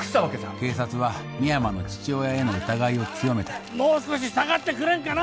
警察は深山の父親への疑いを強めたもう少し下がってくれんかな！